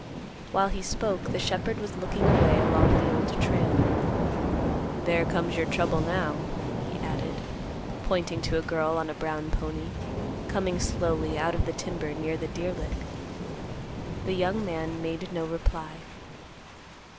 While he spoke, the shepherd was looking away along the Old Trail. "There comes your trouble now," he added, pointing to a girl on a brown pony, coming slowly out of the timber near the deer lick. The young man made no reply.